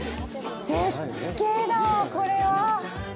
絶景だわ、これは！